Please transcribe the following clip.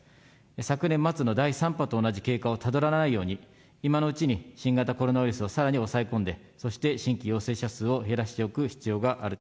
昨年末の第３波と同じ経過をたどらないように、今のうちに新型コロナウイルスをさらに抑え込んで、そして、新規陽性者数を減らしておく必要がある。